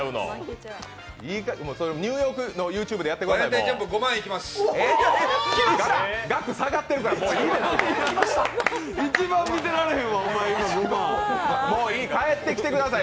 ニューヨークのＹｏｕＴｕｂｅでやってください。